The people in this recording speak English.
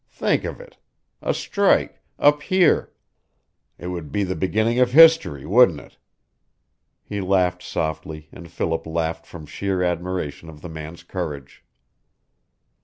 Think of it. A strike up here! It would be the beginning of history, wouldn't it?" He laughed softly, and Philip laughed from sheer admiration of the man's courage.